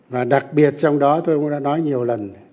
và đặc biệt trong đó tôi cũng đã nói nhiều lần